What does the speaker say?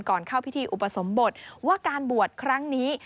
เข้าพิธีอุปสมบทว่าการบวชครั้งนี้